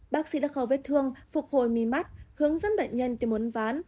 bác sĩ đã khẩu vết thương phục hồi mi mắt hướng dẫn bệnh nhân tìm uốn ván